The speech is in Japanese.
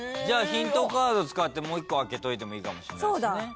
じゃあヒントカード使ってもう１個開けといてもいいかもしんない。